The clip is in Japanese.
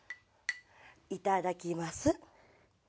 いただきます。